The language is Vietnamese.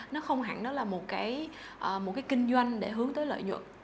nó không hẳn nó là một cái kinh doanh để hướng tới lợi nhuận